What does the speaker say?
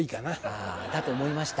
あだと思いました。